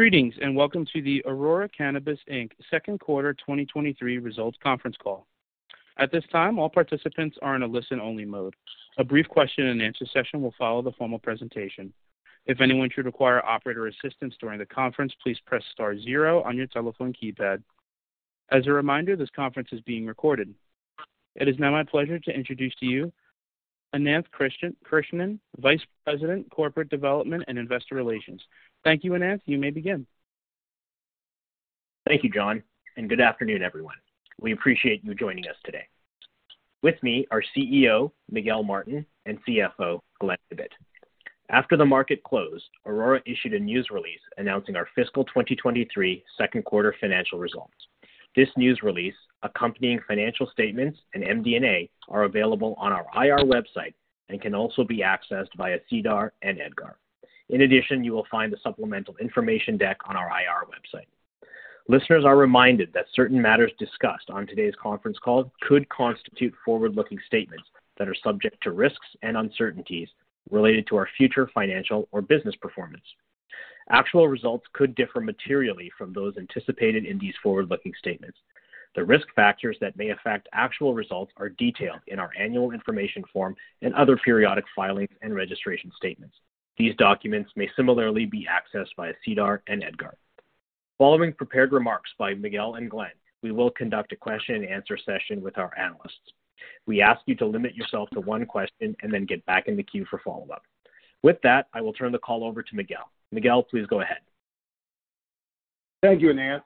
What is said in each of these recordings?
Greetings, and welcome to the Aurora Cannabis Inc. second quarter 2023 results Conference Call. At this time, all participants are in a listen-only mode. A brief question and answer session will follow the formal presentation. If anyone should require operator assistance during the conference, please press star zero on your telephone keypad. As a reminder, this conference is being recorded. It is now my pleasure to introduce to you Ananth Krishnan, Vice President, Corporate Development and Investor Relations. Thank you, Ananth. You may begin. Thank you, John. Good afternoon, everyone. We appreciate you joining us today. With me are CEO Miguel Martin and CFO Glen Ibbott. After the market closed, Aurora issued a news release announcing our fiscal 2023 second quarter financial results. This news release, accompanying financial statements, and MD&A are available on our I.R. website and can also be accessed via SEDAR and EDGAR. You will find the supplemental information deck on our I.R. website. Listeners are reminded that certain matters discussed on today's conference call could constitute forward-looking statements that are subject to risks and uncertainties related to our future financial or business performance. Actual results could differ materially from those anticipated in these forward-looking statements. The risk factors that may affect actual results are detailed in our annual information form and other periodic filings and registration statements. These documents may similarly be accessed via SEDAR and EDGAR. Following prepared remarks by Miguel and Glen, we will conduct a question and answer session with our analysts. We ask you to limit yourself to one question and then get back in the queue for follow-up. With that, I will turn the call over to Miguel. Miguel, please go ahead. Thank you, Ananth.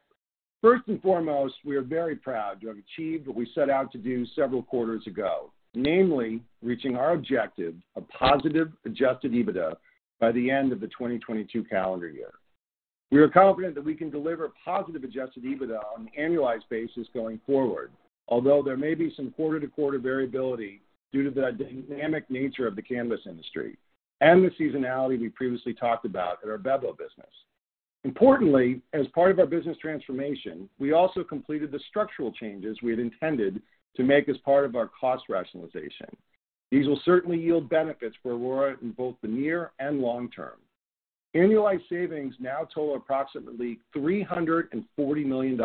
First and foremost, we are very proud to have achieved what we set out to do several quarters ago, namely reaching our objective of positive adjusted EBITDA by the end of the 2022 calendar year. We are confident that we can deliver positive adjusted EBITDA on an annualized basis going forward, although there may be some quarter-to-quarter variability due to the dynamic nature of the cannabis industry and the seasonality we previously talked about at our Bevo business. Importantly, as part of our business transformation, we also completed the structural changes we had intended to make as part of our cost rationalization. These will certainly yield benefits for Aurora in both the near and long term. Annualized savings now total approximately $340 million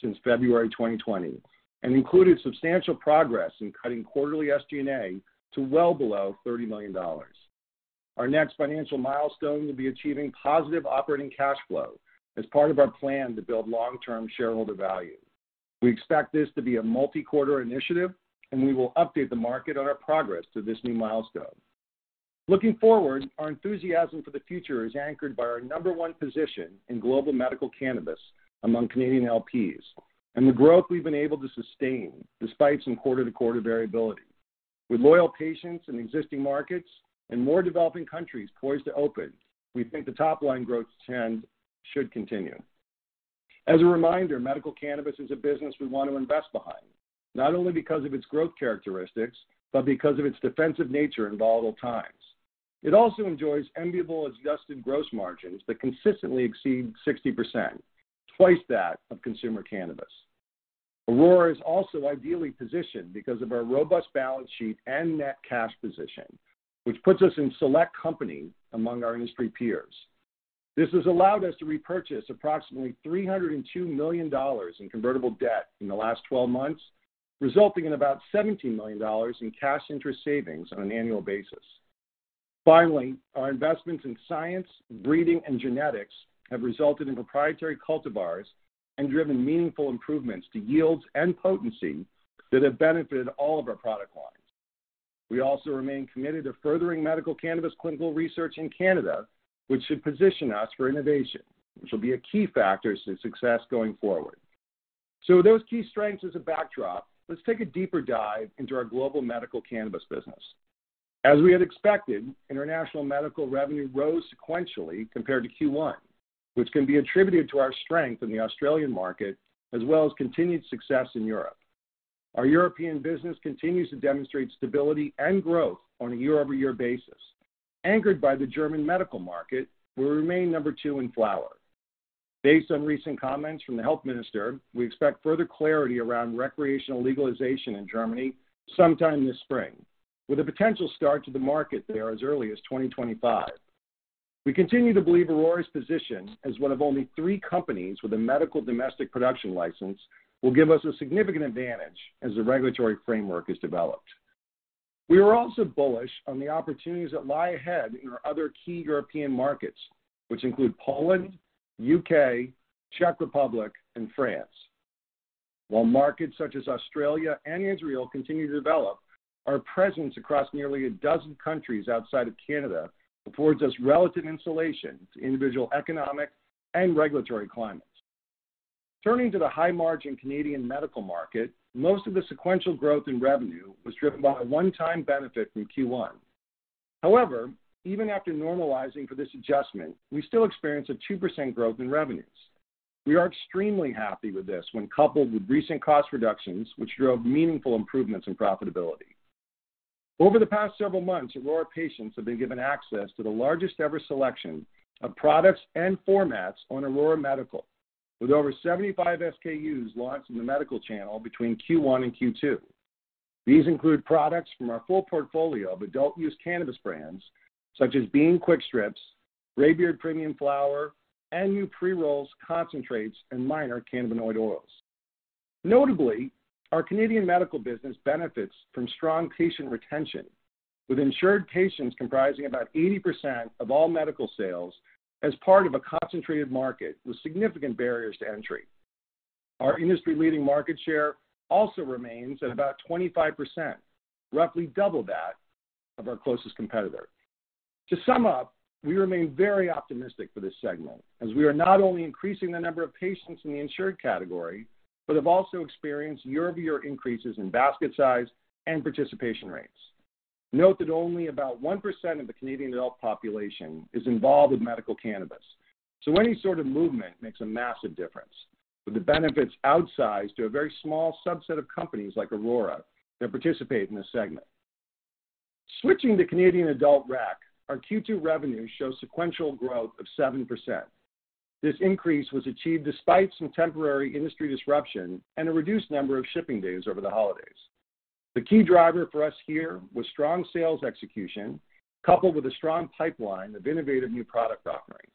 since February 2020 and included substantial progress in cutting quarterly SG&A to well below $30 million. Our next financial milestone will be achieving positive operating cash flow as part of our plan to build long-term shareholder value. We expect this to be a multi-quarter initiative. We will update the market on our progress to this new milestone. Looking forward, our enthusiasm for the future is anchored by our number one position in global medical cannabis among Canadian LPs and the growth we've been able to sustain despite some quarter-to-quarter variability. With loyal patients in existing markets and more developing countries poised to open, we think the top-line growth trend should continue. As a reminder, medical cannabis is a business we want to invest behind, not only because of its growth characteristics, but because of its defensive nature in volatile times. It also enjoys enviable adjusted gross margins that consistently exceed 60%, twice that of consumer cannabis. Aurora is also ideally positioned because of our robust balance sheet and net cash position, which puts us in select company among our industry peers. This has allowed us to repurchase approximately $302 million in convertible debt in the last 12 months, resulting in about $17 million in cash interest savings on an annual basis. Our investments in science, breeding, and genetics have resulted in proprietary cultivars and driven meaningful improvements to yields and potency that have benefited all of our product lines. We also remain committed to furthering medical cannabis clinical research in Canada, which should position us for innovation, which will be a key factor to success going forward. With those key strengths as a backdrop, let's take a deeper dive into our global medical cannabis business. As we had expected, international medical revenue rose sequentially compared to Q1, which can be attributed to our strength in the Australian market as well as continued success in Europe. Our European business continues to demonstrate stability and growth on a year-over-year basis. Anchored by the German medical market, we remain number two in flower. Based on recent comments from the health minister, we expect further clarity around recreational legalization in Germany sometime this spring, with a potential start to the market there as early as 2025. We continue to believe Aurora's position as one of only three companies with a medical domestic production license will give us a significant advantage as the regulatory framework is developed. We are also bullish on the opportunities that lie ahead in our other key European markets, which include Poland, U.K., Czech Republic, and France. While markets such as Australia and Israel continue to develop, our presence across nearly 12 countries outside of Canada affords us relative insulation to individual economic and regulatory climates. Turning to the high-margin Canadian medical market, most of the sequential growth in revenue was driven by a one-time benefit from Q1. Even after normalizing for this adjustment, we still experienced a 2% growth in revenues. We are extremely happy with this when coupled with recent cost reductions, which drove meaningful improvements in profitability. Over the past several months, Aurora patients have been given access to the largest-ever selection of products and formats on Aurora Medical, with over 75 SKUs launched in the medical channel between Q1 and Q2. These include products from our full portfolio of adult use cannabis brands, such as Being Quickstrips, Greybeard Premium Flour, and new pre-rolls concentrates, and minor cannabinoid oils. Notably, our Canadian medical business benefits from strong patient retention, with insured patients comprising about 80% of all medical sales as part of a concentrated market with significant barriers to entry. Our industry-leading market share also remains at about 25%, roughly double that of our closest competitor. To sum up, we remain very optimistic for this segment as we are not only increasing the number of patients in the insured category, but have also experienced year-over-year increases in basket size and participation rates. Note that only about 1% of the Canadian adult population is involved with medical cannabis, so any sort of movement makes a massive difference, with the benefits outsized to a very small subset of companies like Aurora that participate in this segment. Switching to Canadian adult rec, our Q2 revenue shows sequential growth of 7%. This increase was achieved despite some temporary industry disruption and a reduced number of shipping days over the holidays. The key driver for us here was strong sales execution, coupled with a strong pipeline of innovative new product offerings.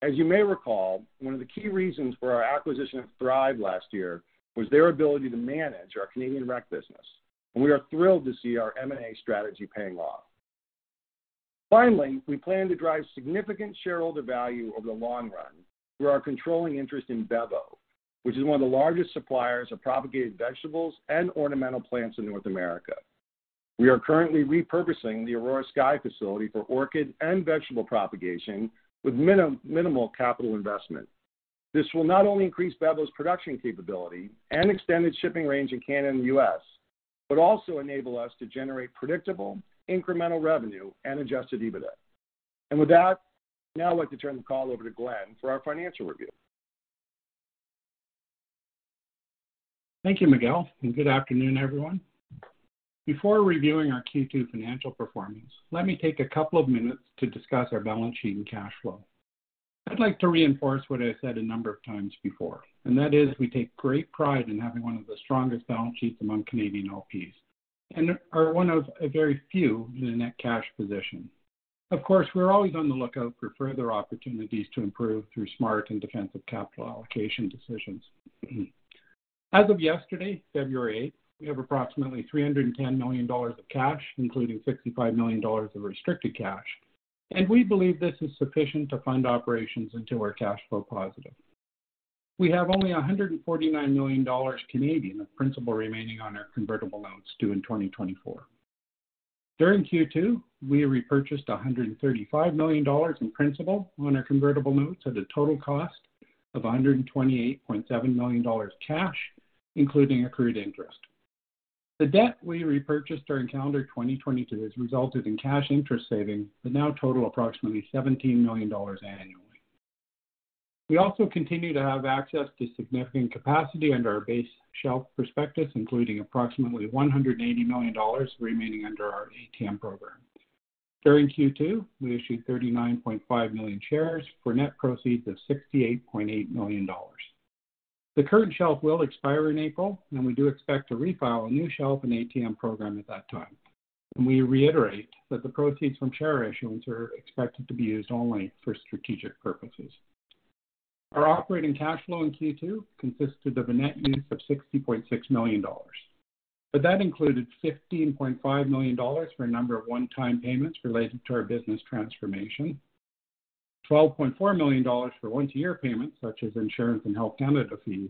As you may recall, one of the key reasons for our acquisition of Thrive last year was their ability to manage our Canadian rec business, and we are thrilled to see our M&A strategy paying off. Finally, we plan to drive significant shareholder value over the long run through our controlling interest in Bevo, which is one of the largest suppliers of propagated vegetables and ornamental plants in North America. We are currently repurposing the Aurora Sky facility for orchid and vegetable propagation with minimal capital investment. This will not only increase Bevo's production capability and extend its shipping range in Canada and U.S., but also enable us to generate predictable, incremental revenue and adjusted EBITDA. With that, I'd now like to turn the call over to Glen for our financial review. Thank you, Miguel, and good afternoon, everyone. Before reviewing our Q2 financial performance, let me take two minutes to discuss our balance sheet and cash flow. I'd like to reinforce what I said a number of times before, and that is we take great pride in having one of the strongest balance sheets among Canadian LPs and are one of a very few in a net cash position. Of course, we're always on the lookout for further opportunities to improve through smart and defensive capital allocation decisions. As of yesterday, 8th February, we have approximately 310 million dollars of cash, including 65 million dollars of restricted cash, and we believe this is sufficient to fund operations until we're cash flow positive. We have only 149 million Canadian dollars of principal remaining on our convertible notes due in 2024. During Q2, we repurchased $135 million in principal on our convertible notes at a total cost of $128.7 million cash, including accrued interest. The debt we repurchased during calendar 2022 has resulted in cash interest savings that now total approximately $17 million annually. We also continue to have access to significant capacity under our base shelf prospectus, including approximately $180 million remaining under our ATM program. During Q2, we issued 39.5 million shares for net proceeds of $68.8 million. The current shelf will expire in April, we do expect to refile a new shelf and ATM program at that time. We reiterate that the proceeds from share issuance are expected to be used only for strategic purposes. Our operating cash flow in Q2 consisted of a net use of $60.6 million. That included $15.5 million for a number of one-time payments related to our business transformation, $12.4 million for once-a-year payments such as insurance and Health Canada fees,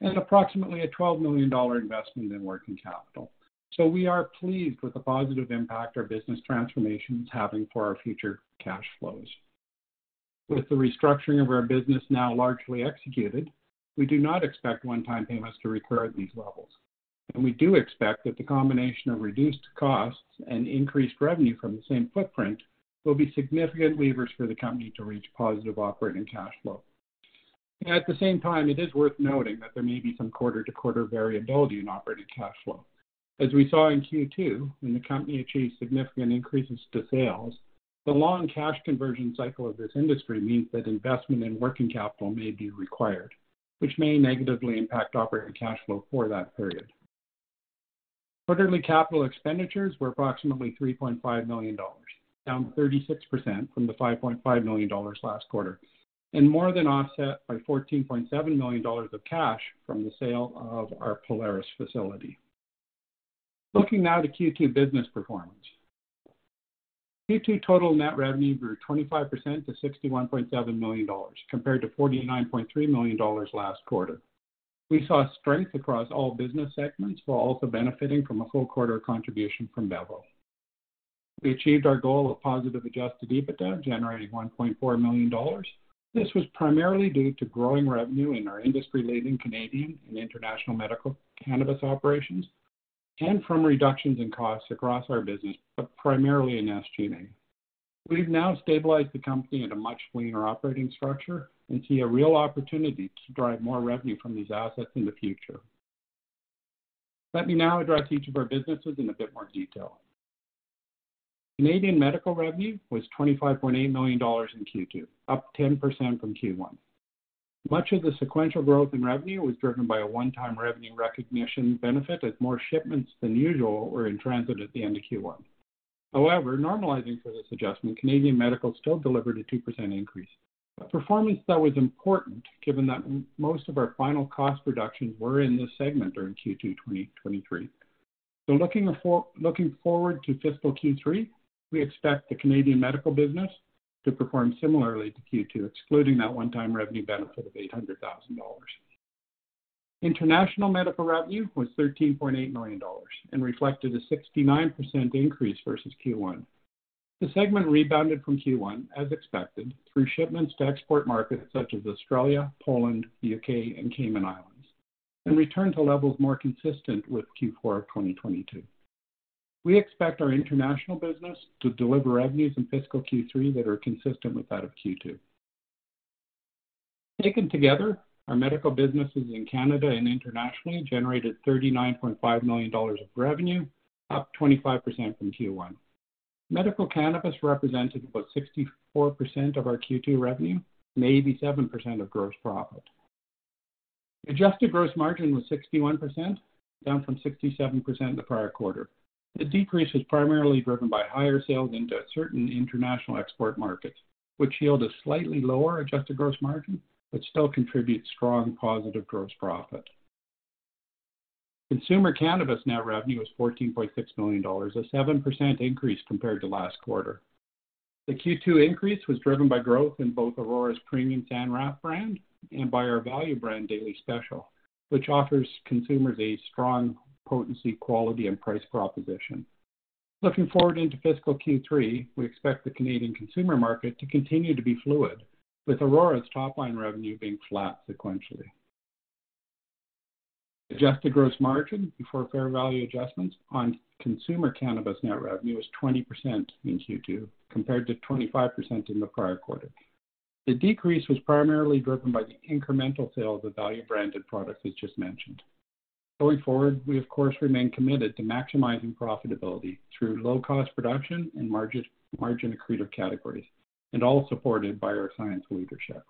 and approximately a $12 million investment in working capital. We are pleased with the positive impact our business transformation is having for our future cash flows. With the restructuring of our business now largely executed, we do not expect one-time payments to recur at these levels, and we do expect that the combination of reduced costs and increased revenue from the same footprint will be significant levers for the company to reach positive operating cash flow. At the same time, it is worth noting that there may be some quarter-to-quarter variability in operating cash flow. As we saw in Q2, when the company achieved significant increases to sales, the long cash conversion cycle of this industry means that investment in working capital may be required, which may negatively impact operating cash flow for that period. Quarterly capital expenditures were approximately 3.5 million dollars, down 36% from the 5.5 million dollars last quarter, and more than offset by 14.7 million dollars of cash from the sale of our Polaris facility. Looking now to Q2 business performance. Q2 total net revenue grew 25% to 61.7 million dollars, compared to 49.3 million dollars last quarter. We saw strength across all business segments while also benefiting from a full quarter contribution from Bevo. We achieved our goal of positive adjusted EBITDA, generating 1.4 million dollars. This was primarily due to growing revenue in our industry-leading Canadian and international medical cannabis operations and from reductions in costs across our business, but primarily in SG&A. We've now stabilized the company at a much leaner operating structure and see a real opportunity to drive more revenue from these assets in the future. Let me now address each of our businesses in a bit more detail. Canadian medical revenue was $25.8 million in Q2, up 10% from Q1. Much of the sequential growth in revenue was driven by a one-time revenue recognition benefit as more shipments than usual were in transit at the end of Q1. Normalizing for this adjustment, Canadian medical still delivered a 2% increase. A performance that was important given that most of our final cost reductions were in this segment during Q2, 2023. Looking forward to fiscal Q3, we expect the Canadian medical business to perform similarly to Q2, excluding that one-time revenue benefit of $800,000. International medical revenue was $13.8 million and reflected a 69% increase versus Q1. The segment rebounded from Q1 as expected through shipments to export markets such as Australia, Poland, the U.K. and Cayman Islands, and returned to levels more consistent with Q4 of 2022. We expect our international business to deliver revenues in fiscal Q3 that are consistent with that of Q2. Taken together, our medical businesses in Canada and internationally generated $39.5 million of revenue, up 25% from Q1. Medical cannabis represented about 64% of our Q2 revenue, and 87% of gross profit. Adjusted gross margin was 61%, down from 67% in the prior quarter. The decrease was primarily driven by higher sales into certain international export markets, which yield a slightly lower adjusted gross margin, but still contribute strong positive gross profit. Consumer cannabis net revenue was $14.6 million, a 7% increase compared to last quarter. The Q2 increase was driven by growth in both Aurora's premium San Rafael '71 brand and by our value brand Daily Special, which offers consumers a strong potency, quality and price proposition. Looking forward into fiscal Q3, we expect the Canadian consumer market to continue to be fluid, with Aurora's top line revenue being flat sequentially. Adjusted gross margin before fair value adjustments on consumer cannabis net revenue was 20% in Q2, compared to 25% in the prior quarter. The decrease was primarily driven by the incremental sales of value-branded products as just mentioned. Going forward, we of course remain committed to maximizing profitability through low-cost production and margin accretive categories, and all supported by our science leadership.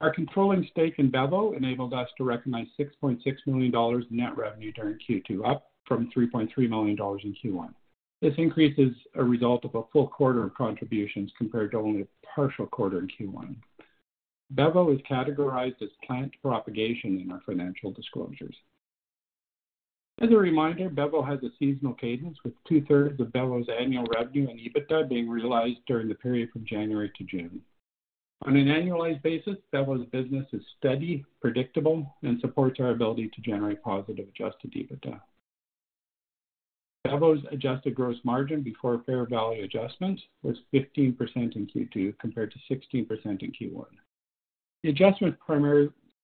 Our controlling stake in Bevo enabled us to recognize $6.6 million in net revenue during Q2, up from $3.3 million in Q1. This increase is a result of a full quarter of contributions, compared to only a partial quarter in Q1. Bevo is categorized as plant propagation in our financial disclosures. As a reminder, Bevo has a seasonal cadence, with two-thirds of Bevo's annual revenue and EBITDA being realized during the period from January to June. On an annualized basis, Bevo's business is steady, predictable, and supports our ability to generate positive adjusted EBITDA. Bevo's adjusted gross margin before fair value adjustments was 15% in Q2, compared to 16% in Q1. The adjustment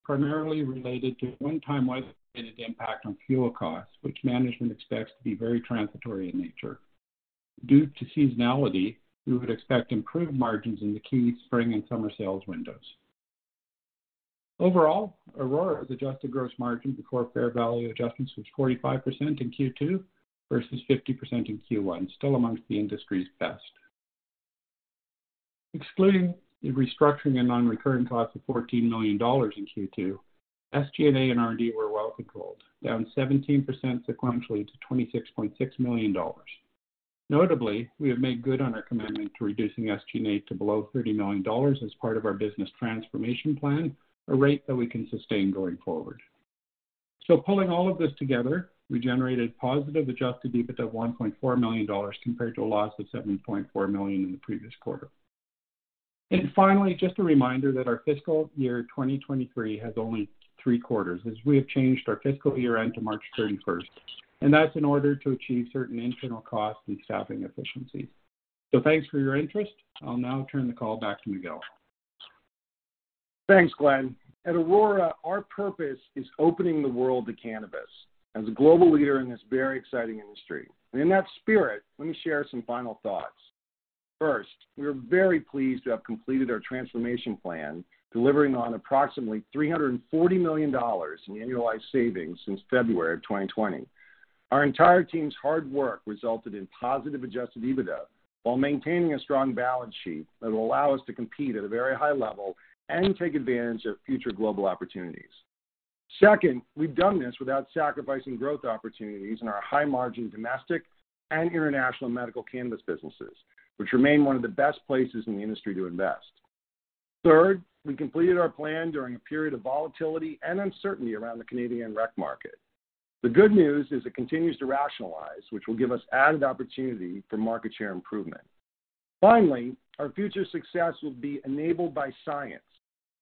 primarily related to a one-time weather-related impact on fuel costs, which management expects to be very transitory in nature. Due to seasonality, we would expect improved margins in the key spring and summer sales windows. Overall, Aurora's adjusted gross margin before fair value adjustments was 45% in Q2 versus 50% in Q1, still amongst the industry's best. Excluding the restructuring and non-recurring costs of $14 million in Q2, SG&A and R&D were well controlled, down 17% sequentially to $26.6 million. Notably, we have made good on our commitment to reducing SG&A to below $30 million as part of our business transformation plan, a rate that we can sustain going forward. Pulling all of this together, we generated positive adjusted EBITDA of $1.4 million, compared to a loss of $7.4 million in the previous quarter. Finally, just a reminder that our fiscal year 2023 has only three quarters as we have changed our fiscal year-end to 31st March, and that's in order to achieve certain internal costs and staffing efficiencies. Thanks for your interest. I'll now turn the call back to Miguel. Thanks, Glenn. At Aurora, our purpose is opening the world to cannabis as a global leader in this very exciting industry. In that spirit, let me share some final thoughts. First, we are very pleased to have completed our transformation plan, delivering on approximately $340 million in annualized savings since February of 2020. Our entire team's hard work resulted in positive adjusted EBITDA while maintaining a strong balance sheet that will allow us to compete at a very high level and take advantage of future global opportunities. Second, we've done this without sacrificing growth opportunities in our high-margin domestic and international medical cannabis businesses, which remain one of the best places in the industry to invest. Third, we completed our plan during a period of volatility and uncertainty around the Canadian rec market. The good news is it continues to rationalize, which will give us added opportunity for market share improvement. Finally, our future success will be enabled by science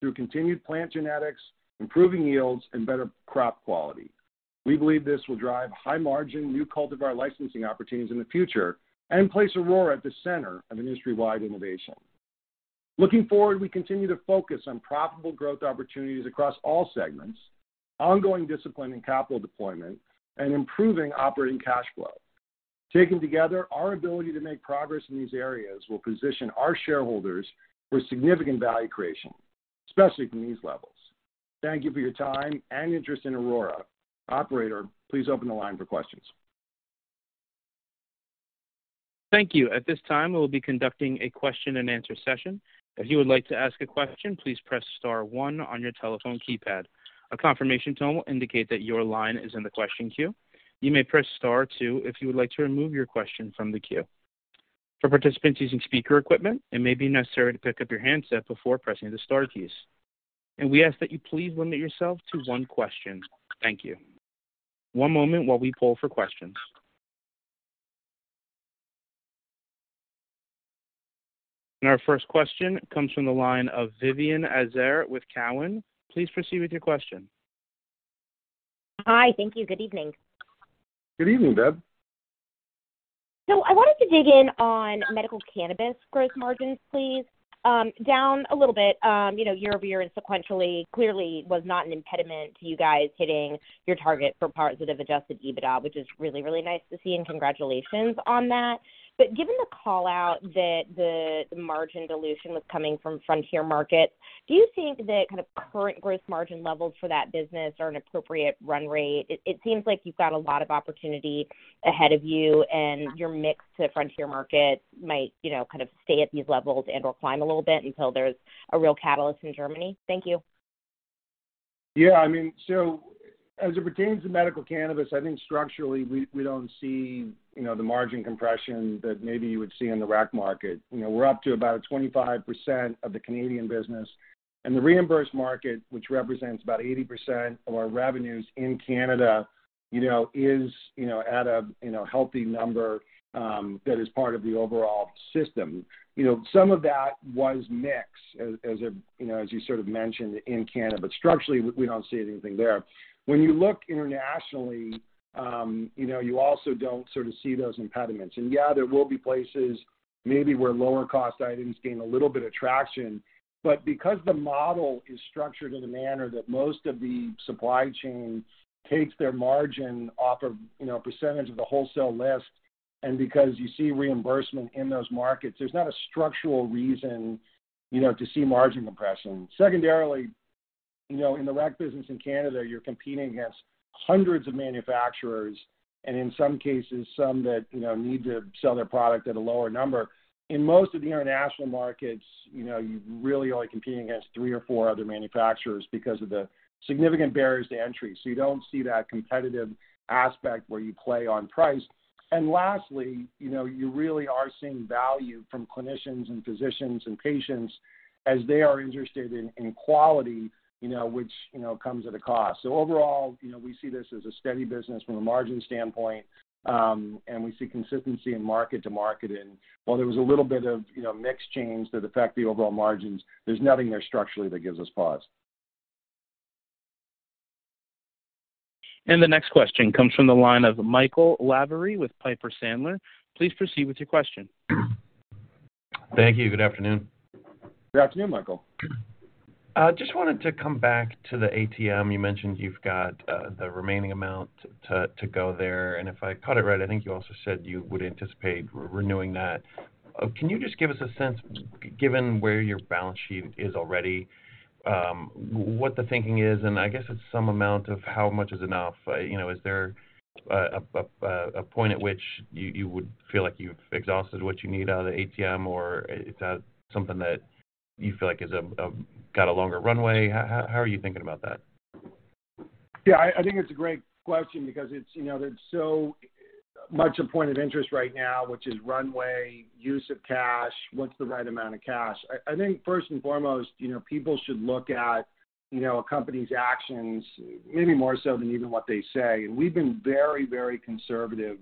through continued plant genetics, improving yields, and better crop quality. We believe this will drive high-margin, new cultivar licensing opportunities in the future and place Aurora at the center of industry-wide innovation. Looking forward, we continue to focus on profitable growth opportunities across all segments, ongoing discipline in capital deployment, and improving operating cash flow. Taken together, our ability to make progress in these areas will position our shareholders for significant value creation. Especially from these levels. Thank you for your time and interest in Aurora. Operator, please open the line for questions. Thank you. At this time, we'll be conducting a question and answer session. If you would like to ask a question, please press star one on your telephone keypad. A confirmation tone will indicate that your line is in the question queue. You may press star two if you would like to remove your question from the queue. For participants using speaker equipment, it may be necessary to pick up your handset before pressing the star keys. We ask that you please limit yourself to one question. Thank you. One moment while we poll for questions. Our first question comes from the line of Vivien Azer with Cowen. Please proceed with your question. Hi. Thank you. Good evening. Good evening, Viv. I wanted to dig in on medical cannabis gross margins, please. Down a little bit, you know, year-over-year and sequentially clearly was not an impediment to you guys hitting your target for positive adjusted EBITDA, which is really, really nice to see, and congratulations on that. Given the call out that the margin dilution was coming from frontier markets, do you think the kind of current gross margin levels for that business are an appropriate run rate? It seems like you've got a lot of opportunity ahead of you, and your mix to frontier market might, you know, kind of stay at these levels and/or climb a little bit until there's a real catalyst in Germany. Thank you. Yeah, I mean, as it pertains to medical cannabis, I think structurally we don't see, you know, the margin compression that maybe you would see in the rec market. You know, we're up to about 25% of the Canadian business. The reimbursed market, which represents about 80% of our revenues in Canada, you know, is, you know, at a healthy number that is part of the overall system. You know, some of that was mix as a, you know, as you sort of mentioned in Canada, but structurally we don't see anything there. When you look internationally, you know, you also don't sort of see those impediments. Yeah, there will be places maybe where lower cost items gain a little bit of traction, but because the model is structured in a manner that most of the supply chain takes their margin off of, you know, a percentage of the wholesale list and because you see reimbursement in those markets, there's not a structural reason, you know, to see margin compression. Secondarily, you know, in the rec business in Canada, you're competing against hundreds of manufacturers, and in some cases, some that, you know, need to sell their product at a lower number. In most of the international markets, you know, you really are only competing against three or four other manufacturers because of the significant barriers to entry. You don't see that competitive aspect where you play on price. Lastly, you know, you really are seeing value from clinicians and physicians and patients as they are interested in quality, you know, which, you know, comes at a cost. Overall, you know, we see this as a steady business from a margin standpoint, and we see consistency in market to market. While there was a little bit of, you know, mix change that affect the overall margins, there's nothing there structurally that gives us pause. The next question comes from the line of Michael Lavery with Piper Sandler. Please proceed with your question. Thank you. Good afternoon. Good afternoon, Michael. Just wanted to come back to the ATM. You mentioned you've got the remaining amount to go there. If I caught it right, I think you also said you would anticipate renewing that. Can you just give us a sense, given where your balance sheet is already, what the thinking is, and I guess at some amount of how much is enough? You know, is there a point at which you would feel like you've exhausted what you need out of the ATM, or is that something that you feel like is a longer runway? How are you thinking about that? Yeah, I think it's a great question because it's, you know, there's so much a point of interest right now, which is runway, use of cash, what's the right amount of cash. I think first and foremost, you know, people should look at, you know, a company's actions maybe more so than even what they say. We've been very conservative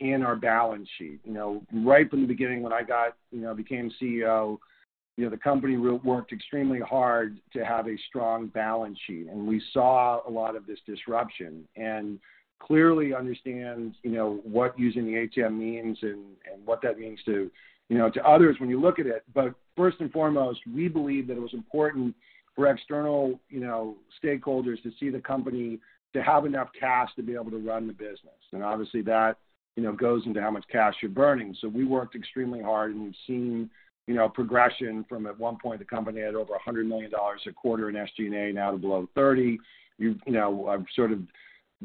in our balance sheet. You know, right from the beginning when I got, you know, became CEO, you know, the company worked extremely hard to have a strong balance sheet. We saw a lot of this disruption and clearly understand, you know, what using the ATM means and what that means to, you know, to others when you look at it. First and foremost, we believe that it was important for external, you know, stakeholders to see the company to have enough cash to be able to run the business. Obviously that, you know, goes into how much cash you're burning. We worked extremely hard, and we've seen, you know, progression from at one point, the company had over $100 million a quarter in SG&A, now to below $30 million. You know, I've sort of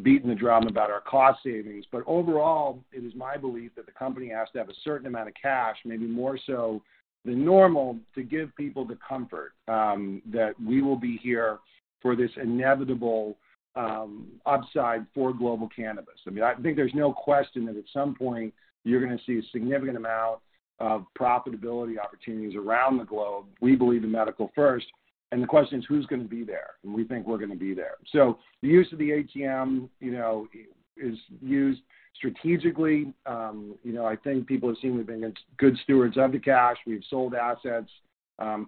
beaten the drum about our cost savings. Overall, it is my belief that the company has to have a certain amount of cash, maybe more so than normal, to give people the comfort that we will be here for this inevitable upside for global cannabis. I mean, I think there's no question that at some point you're gonna see a significant amount of profitability opportunities around the globe. We believe in medical first, and the question is who's gonna be there? We think we're gonna be there. The use of the ATM, you know, is used strategically. You know, I think people have seen we've been good stewards of the cash. We've sold assets,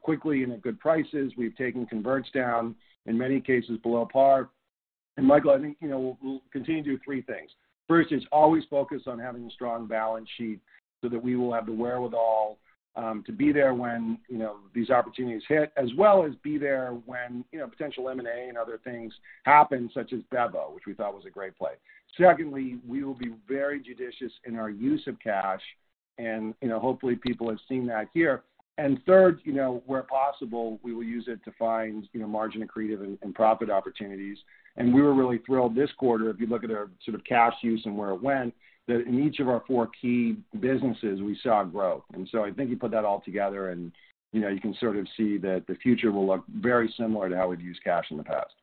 quickly and at good prices. We've taken converts down, in many cases below par. Michael, I think, you know, we'll continue to do three things. First is always focus on having a strong balance sheet so that we will have the wherewithal to be there when, you know, these opportunities hit, as well as be there when, you know, potential M&A and other things happen, such as Bevo, which we thought was a great play. Secondly, we will be very judicious in our use of cash. You know, hopefully people have seen that here. Third, you know, where possible, we will use it to find, you know, margin accretive and profit opportunities. We were really thrilled this quarter, if you look at our sort of cash use and where it went, that in each of our four key businesses, we saw growth. I think you put that all together and, you know, you can sort of see that the future will look very similar to how we've used cash in the past.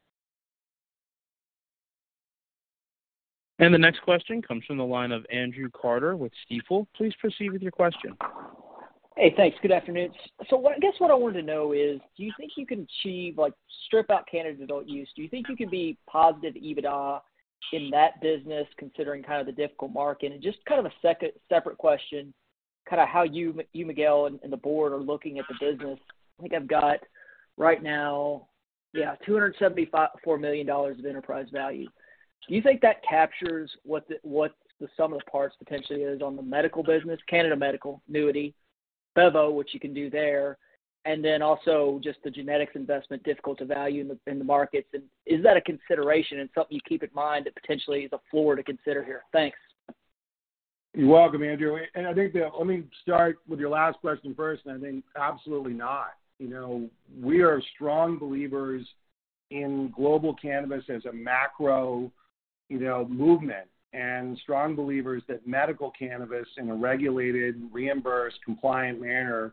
The next question comes from the line of Andrew Carter with Stifel. Please proceed with your question. Hey, thanks. Good afternoon. I guess what I wanted to know is, do you think you can achieve, like strip out Canada adult use, do you think you can be positive EBITDA in that business considering kind of the difficult market? Just kind of a second separate question, kind of how you, Miguel, and the board are looking at the business. I think I've got right now, yeah, $4 million of enterprise value. Do you think that captures what the sum of the parts potentially is on the medical business, Canada medical, Newity, Bevo, what you can do there, and then also just the genetics investment difficult to value in the markets? Is that a consideration and something you keep in mind that potentially is a floor to consider here? Thanks. You're welcome, Andrew. I think, let me start with your last question first, and I think absolutely not. You know, we are strong believers in global cannabis as a macro, you know, movement, and strong believers that medical cannabis in a regulated, reimbursed, compliant manner is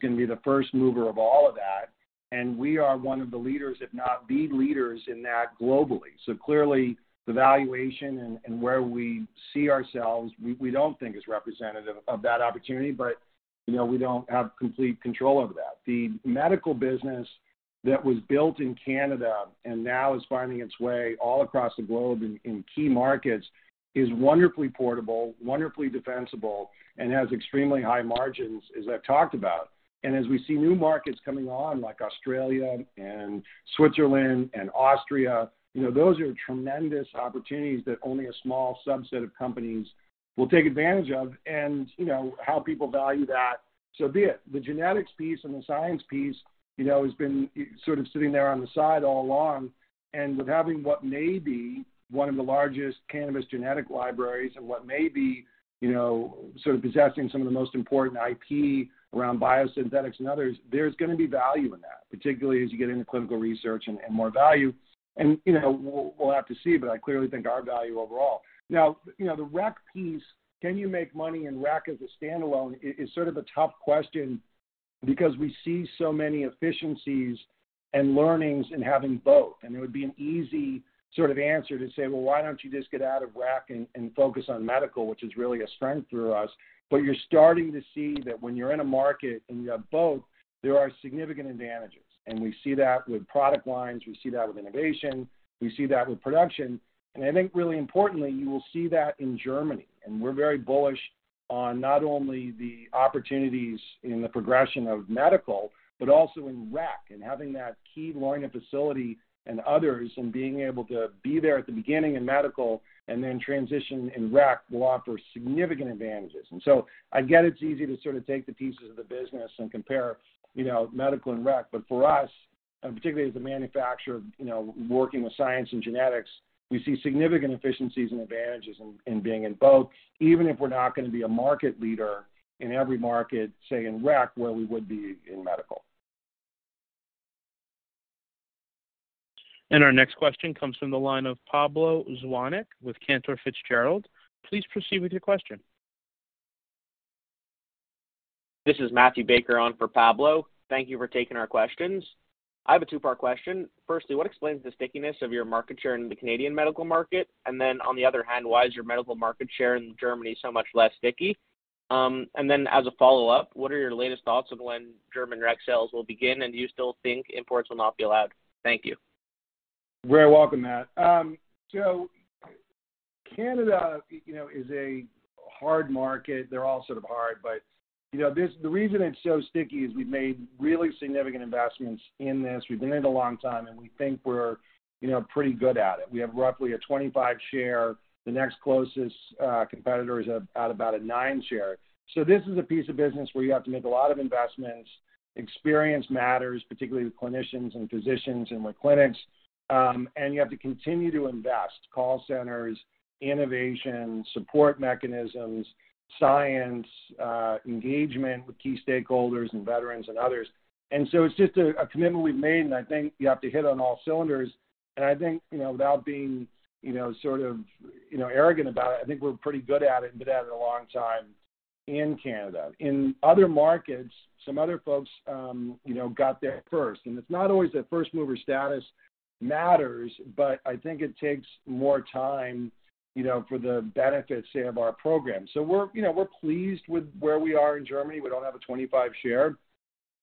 gonna be the first mover of all of that. We are one of the leaders, if not the leaders in that globally. Clearly, the valuation and where we see ourselves, we don't think is representative of that opportunity, but, you know, we don't have complete control over that. The medical business that was built in Canada and now is finding its way all across the globe in key markets, is wonderfully portable, wonderfully defensible, and has extremely high margins, as I've talked about. As we see new markets coming on, like Australia and Switzerland and Austria, you know, those are tremendous opportunities that only a small subset of companies will take advantage of. You know, how people value that, so be it. The genetics piece and the science piece, you know, has been sort of sitting there on the side all along. With having what may be one of the largest cannabis genetic libraries and what may be, you know, sort of possessing some of the most important IP around biosynthetics and others, there's gonna be value in that, particularly as you get into clinical research and more value. You know, we'll have to see, but I clearly think our value overall. You know, the rec piece, can you make money in rec as a standalone is sort of a tough question because we see so many efficiencies and learnings in having both. It would be an easy sort of answer to say, "Well, why don't you just get out of rec and focus on medical," which is really a strength through us. You're starting to see that when you're in a market and you have both, there are significant advantages. We see that with product lines. We see that with innovation. We see that with production. I think really importantly, you will see that in Germany. We're very bullish on not only the opportunities in the progression of medical, but also in rec and having that key Lachute facility and others, and being able to be there at the beginning in medical and then transition in rec will offer significant advantages. I get it's easy to sort of take the pieces of the business and compare, you know, medical and rec. For us, and particularly as a manufacturer, you know, working with science and genetics, we see significant efficiencies and advantages in being in both, even if we're not gonna be a market leader in every market, say in rec, where we would be in medical. Our next question comes from the line of Pablo Zuanic with Cantor Fitzgerald. Please proceed with your question. This is Matthew Baker on for Pablo. Thank you for taking our questions. I have a two-part question. Firstly, what explains the stickiness of your market share in the Canadian medical market? On the other hand, why is your medical market share in Germany so much less sticky? As a follow-up, what are your latest thoughts on when German rec sales will begin, and do you still think imports will not be allowed? Thank you. You're very welcome, Matt. Canada, you know, is a hard market. They're all sort of hard, but, you know, the reason it's so sticky is we've made really significant investments in this. We've been in it a long time, and we think we're, you know, pretty good at it. We have roughly a 25 share. The next closest competitor is at about a 9 share. This is a piece of business where you have to make a lot of investments. Experience matters, particularly with clinicians and physicians and with clinics. You have to continue to invest, call centers, innovation, support mechanisms, science, engagement with key stakeholders and veterans and others. It's just a commitment we've made, and I think you have to hit on all cylinders. I think, you know, without being, you know, sort of, you know, arrogant about it, I think we're pretty good at it and been at it a long time in Canada. In other markets, some other folks, you know, got there first, and it's not always that first mover status matters, but I think it takes more time, you know, for the benefits, say, of our program. We're, you know, we're pleased with where we are in Germany. We don't have a 25% share,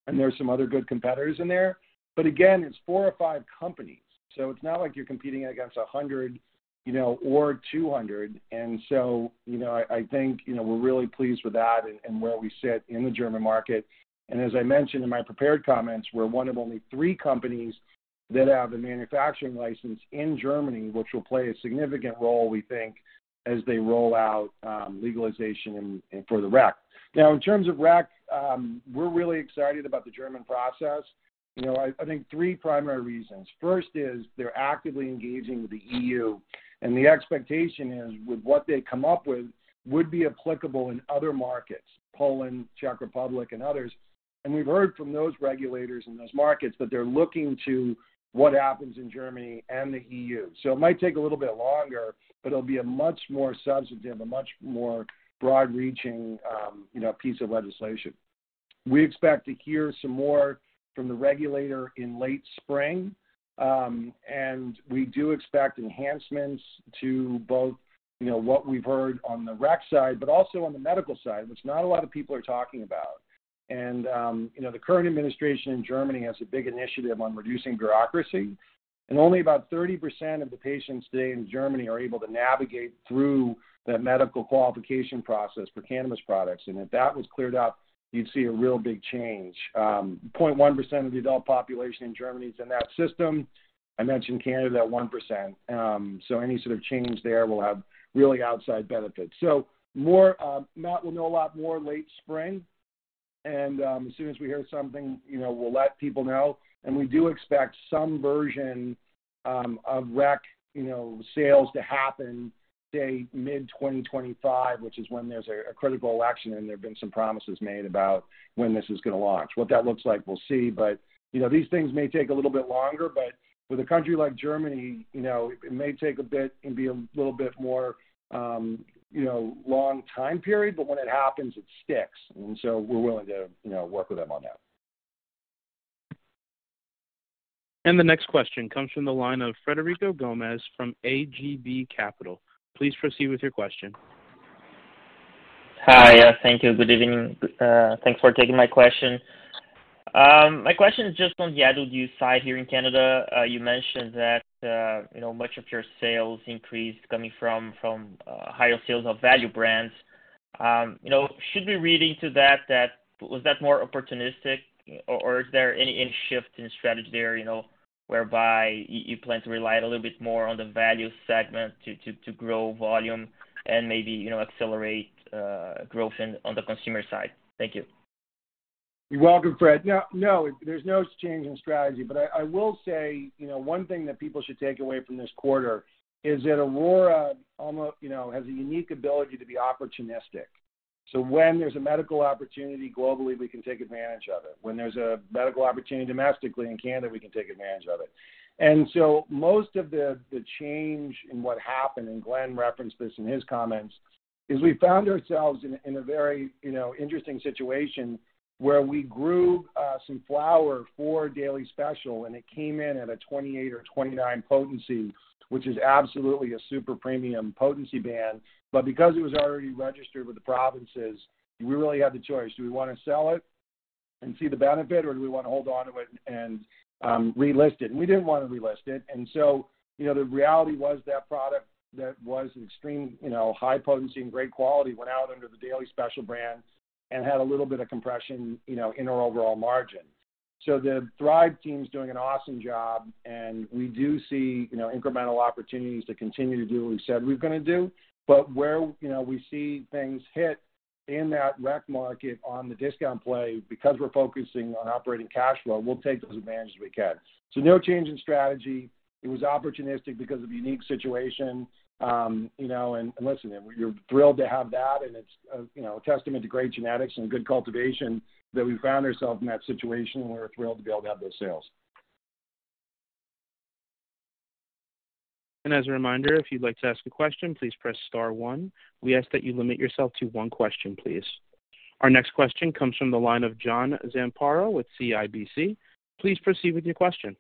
and there are some other good competitors in there. Again, it's four or five companies, so it's not like you're competing against 100, you know, or 200. You know, I think, you know, we're really pleased with that and where we sit in the German market. As I mentioned in my prepared comments, we're one of only three companies that have a manufacturing license in Germany, which will play a significant role, we think, as they roll out legalization and for the rec. Now in terms of rec, we're really excited about the German process. You know, I think three primary reasons. First is, they're actively engaging with the EU, and the expectation is with what they come up with would be applicable in other markets, Poland, Czech Republic, and others. We've heard from those regulators in those markets that they're looking to what happens in Germany and the EU. It might take a little bit longer, but it'll be a much more substantive, a much more broad reaching, you know, piece of legislation. We expect to hear some more from the regulator in late spring, we do expect enhancements to both, you know, what we've heard on the rec side, but also on the medical side, which not a lot of people are talking about. You know, the current administration in Germany has a big initiative on reducing bureaucracy, only about 30% of the patients today in Germany are able to navigate through the medical qualification process for cannabis products. If that was cleared up, you'd see a real big change. 0.1% of the adult population in Germany is in that system. I mentioned Canada at 1%. Any sort of change there will have really outside benefits. Matt will know a lot more late spring, and as soon as we hear something, you know, we'll let people know. We do expect some version of rec, you know, sales to happen say mid-2025, which is when there's a critical election, and there have been some promises made about when this is gonna launch. What that looks like, we'll see, but, you know, these things may take a little bit longer. With a country like Germany, you know, it may take a bit and be a little bit more, you know, long time period, but when it happens, it sticks. We're willing to, you know, work with them on that. The next question comes from the line of Frederico Gomes from ATB Capital Markets. Please proceed with your question. Hi. Thank you. Good evening. Thanks for taking my question. My question is just on the adult use side here in Canada. You mentioned that, you know, much of your sales increase coming from higher sales of value brands. You know, should we read into that that was that more opportunistic or is there any shift in strategy there, you know, whereby you plan to rely a little bit more on the value segment to grow volume and maybe, you know, accelerate growth on the consumer side? Thank you. You're welcome, Fred. No, no, there's no change in strategy. I will say, you know, one thing that people should take away from this quarter is that Aurora almost... you know, has a unique ability to be opportunistic. When there's a medical opportunity globally, we can take advantage of it. When there's a medical opportunity domestically in Canada, we can take advantage of it. Most of the change in what happened, and Glen referenced this in his comments, is we found ourselves in a very, you know, interesting situation where we grew some flower for Daily Special, and it came in at a 28 or 29 potency, which is absolutely a super premium potency band. Because it was already registered with the provinces, we really had the choice. Do we wanna sell it and see the benefit, or do we wanna hold onto it and relist it? We didn't wanna relist it. You know, the reality was that product that was an extreme, you know, high potency and great quality went out under the Daily Special brand and had a little bit of compression, you know, in our overall margin. The Thrive team's doing an awesome job, and we do see, you know, incremental opportunities to continue to do what we said we were gonna do. Where, you know, we see things hit in that rec market on the discount play because we're focusing on operating cash flow, we'll take those advantages we can. No change in strategy. It was opportunistic because of a unique situation. You know, listen, we're thrilled to have that, and it's a, you know, a testament to great genetics and good cultivation that we found ourselves in that situation, and we're thrilled to be able to have those sales. As a reminder, if you'd like to ask a question, please Press Star one. We ask that you limit yourself to one question, please. Our next question comes from the line of John Zamparo with CIBC. Please proceed with your question.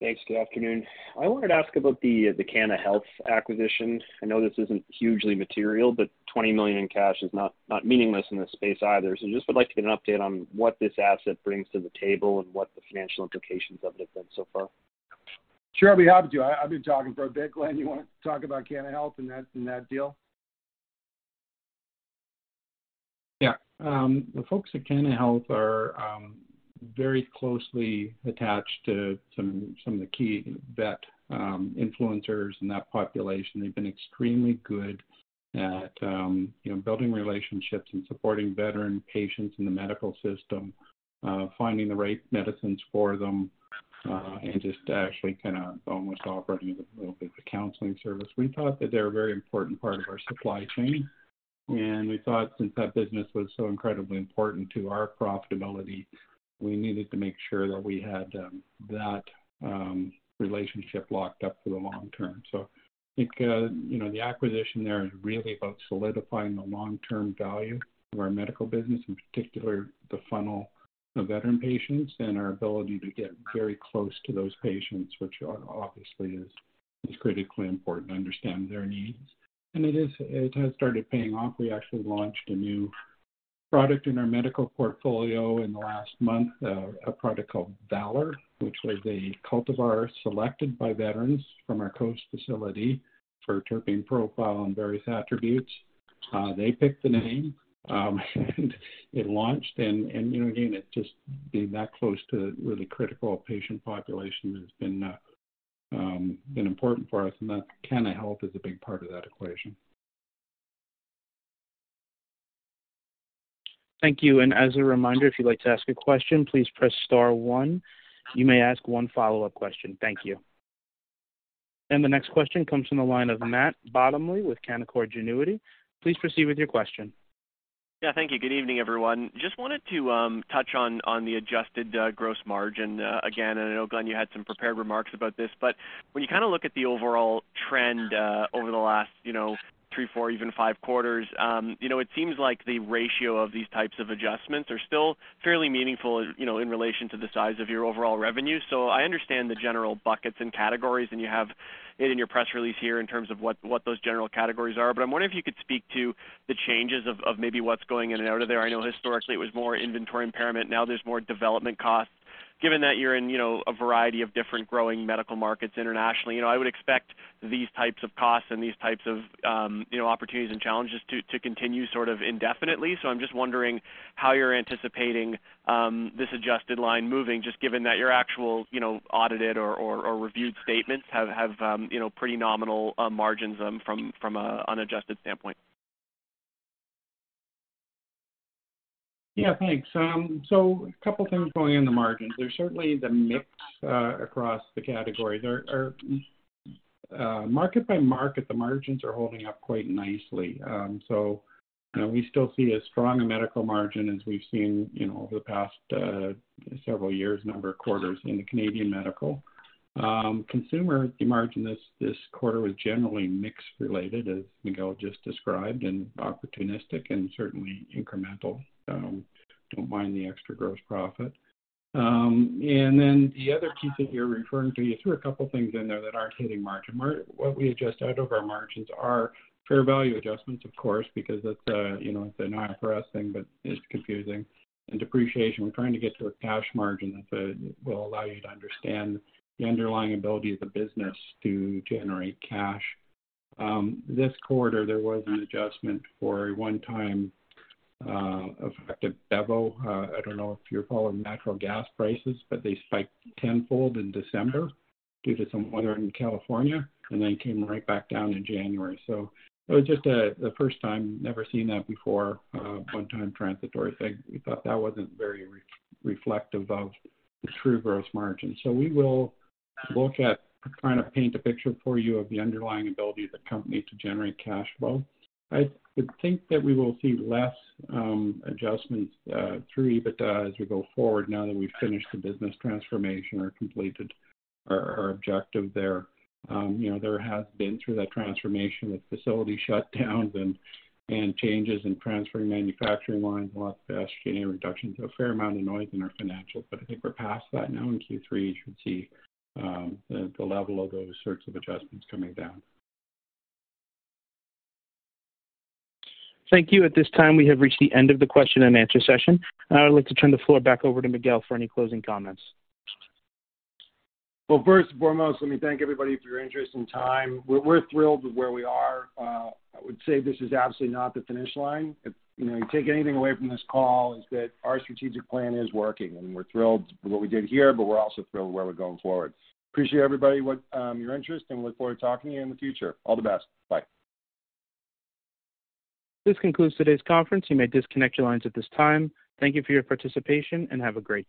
Thanks. Good afternoon. I wanted to ask about the Canna Health acquisition. I know this isn't hugely material, but $20 million in cash is not meaningless in this space either. I just would like to get an update on what this asset brings to the table and what the financial implications of it have been so far. Sure. I'll be happy to. I've been talking for a bit. Glen, you wanna talk about Canna Health and that deal? Yeah. The folks at Canna Health are very closely attached to some of the key vet influencers in that population. They've been extremely good at, you know, building relationships and supporting veteran patients in the medical system, finding the right medicines for them, and just actually kinda almost offering a little bit of a counseling service. We thought that they're a very important part of our supply chain, we thought since that business was so incredibly important to our profitability, we needed to make sure that we had that relationship locked up for the long term. I think, you know, the acquisition there is really about solidifying the long-term value of our medical business, in particular the funnel of veteran patients and our ability to get very close to those patients, which obviously is critically important to understand their needs. It is. It has started paying off. We actually launched a new product in our medical portfolio in the last month, a product called Valor, which was a cultivar selected by veterans from our Aurora Coast for terpene profile and various attributes. They picked the name, and it launched. You know, again, it just being that close to a really critical patient population has been important for us, and that Canna Health is a big part of that equation. Thank you. As a reminder, if you'd like to ask a question, please press star one. You may ask one follow-up question. Thank you. The next question comes from the line of Matt Bottomley with Canaccord Genuity. Please proceed with your question. Yeah, thank you. Good evening, everyone. Just wanted to touch on the adjusted gross margin again. I know, Glen Ibbott, you had some prepared remarks about this, but when you kinda look at the overall trend over the last, you know, three, four, even five quarters, you know, it seems like the ratio of these types of adjustments are still fairly meaningful, you know, in relation to the size of your overall revenue. I understand the general buckets and categories, and you have it in your press release here in terms of what those general categories are. I'm wondering if you could speak to the changes of maybe what's going in and out of there. I know historically it was more inventory impairment, now there's more development costs. Given that you're in, you know, a variety of different growing medical markets internationally, you know, I would expect these types of costs and these types of, you know, opportunities and challenges to continue sort of indefinitely. I'm just wondering how you're anticipating this adjusted line moving, just given that your actual, you know, audited or reviewed statements have, you know, pretty nominal margins from an unadjusted standpoint. Yeah, thanks. A couple things going in the margins. There's certainly the mix across the category. There are, market by market, the margins are holding up quite nicely. You know, we still see a strong medical margin as we've seen, you know, over the past several years, number of quarters in the Canadian medical. Consumer, the margin this quarter was generally mix related, as Miguel just described, and opportunistic and certainly incremental. Don't mind the extra gross profit. The other piece that you're referring to, you threw a couple things in there that aren't hitting margin. What we adjust out of our margins are fair value adjustments, of course, because that's a, you know, it's an IFRS thing, but it's confusing. Depreciation. We're trying to get to a cash margin that will allow you to understand the underlying ability of the business to generate cash. This quarter there was an adjustment for a one-time effective Bevo, I don't know if you're following natural gas prices, but they spiked tenfold in December due to some weather in California and then came right back down in January. It was just a, the first time, never seen that before, one-time transitory thing. We thought that wasn't very reflective of the true gross margin. We will look at trying to paint a picture for you of the underlying ability of the company to generate cash flow. I would think that we will see less adjustments through EBITDA as we go forward now that we've finished the business transformation or completed our objective there. You know, there has been through that transformation with facility shutdowns and changes in transferring manufacturing lines a lot faster, SG&A reductions. A fair amount of noise in our financials, but I think we're past that now. In Q3, you should see the level of those sorts of adjustments coming down. Thank you. At this time, we have reached the end of the question and answer session. I would like to turn the floor back over to Miguel for any closing comments. Well, first foremost, let me thank everybody for your interest and time. We're thrilled with where we are. I would say this is absolutely not the finish line. If, you know, you take anything away from this call, is that our strategic plan is working, and we're thrilled with what we did here, but we're also thrilled where we're going forward. Appreciate everybody with your interest and look forward to talking to you in the future. All the best. Bye. This concludes today's conference. You may disconnect your lines at this time. Thank you for your participation, and have a great day.